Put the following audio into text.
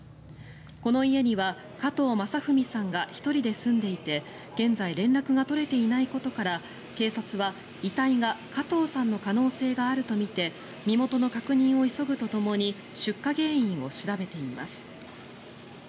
この家には加藤正文さんが１人で住んでいて現在連絡が取れていないことから警察は遺体が加藤さんの可能性があるとみて身元の確認を急ぐとともに出火原因を調べています。